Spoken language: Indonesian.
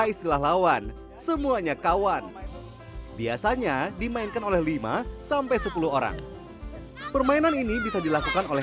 istilah lawan semuanya kawan biasanya dimainkan oleh lima sampai sepuluh orang permainan ini bisa dilakukan oleh